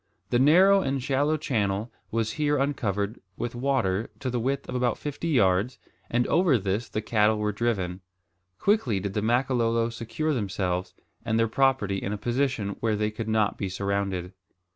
The narrow and shallow channel was here uncovered with water to the width of about fifty yards, and over this the cattle were driven. Quickly did the Makololo secure themselves and their property in a position where they could not be surrounded.